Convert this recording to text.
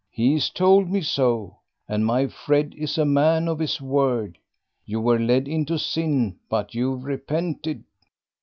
He's told me so, and my Fred is a man of his word. You were led into sin, but you've repented.